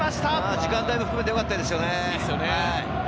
時間帯も含めてよかったですよね。